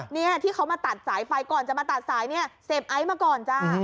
นี่ที่เขามาตัดสายไฟก่อนจะมาตัดสายเซฟไอส์มาก่อนจ้า